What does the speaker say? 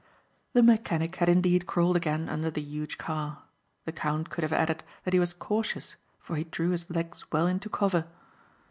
The mechanic had indeed crawled again under the huge car. The count could have added that he was cautious for he drew his legs well into cover.